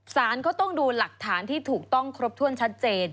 สารก็ต้องดูหลักฐานที่ถูกต้องครบถ้วนชัดเจน